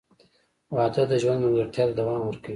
• واده د ژوند ملګرتیا ته دوام ورکوي.